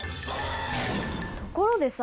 ところでさ